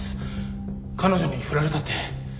彼女に振られたって。